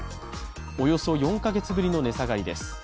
およそ４か月ぶりの値下がりです。